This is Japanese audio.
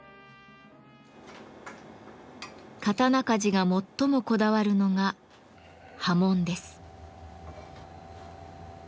刀鍛冶が最もこだわるのが刃文です。